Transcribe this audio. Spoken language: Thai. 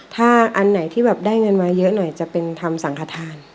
ถ้าอันไหนที่แบบได้เงินมาเยอะหน่อยจะเป็นทำสังขทาน